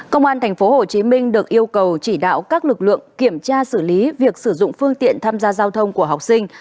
công an tp hcm được yêu cầu chỉ đạo các lực lượng kiểm tra xử lý việc sử dụng phương tiện tham gia giao thông của học sinh